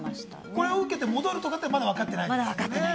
これを受けて戻るとかは、まだわかってないんですね。